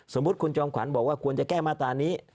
สมมุติคุณจอมขวัญบอกว่าควรจะแก้มาตรานี้